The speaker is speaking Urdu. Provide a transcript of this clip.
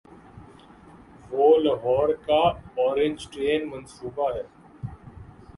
وہ لاہور کا اورنج ٹرین منصوبہ ہے۔